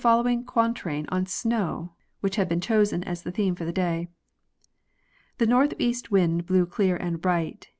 75 following quatrain on snoio^ which had been chosen as the theme for the day :— The north east wind blew clear and bright.